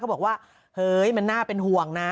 บอกว่าเฮ้ยมันน่าเป็นห่วงนะ